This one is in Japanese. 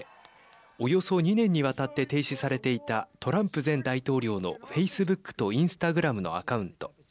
およそ２年にわたって停止されていたトランプ前大統領のフェイスブックとインスタグラムのアカウント。